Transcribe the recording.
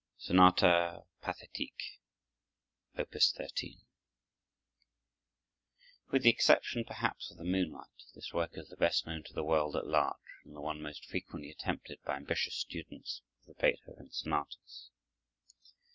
Beethoven: Sonata Pathétique, Op. 13 With the exception, perhaps, of the "Moonlight," this work is the best known to the world at large, and the one most frequently attempted by ambitious students of the Beethoven sonatas.